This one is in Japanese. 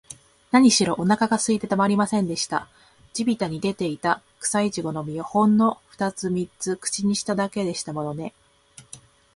なにしろ、おなかがすいてたまりませんでした。地びたに出ていた、くさいちごの実を、ほんのふたつ三つ口にしただけでしたものね。